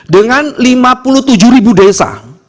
dengan lima puluh tujuh ribu desa